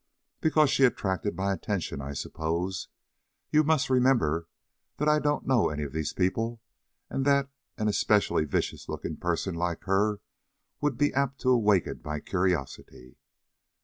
"Because she attracted my attention, I suppose. You must remember that I don't know any of these people, and that an especially vicious looking person like her would be apt to awaken my curiosity."